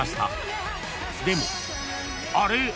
［でもあれ？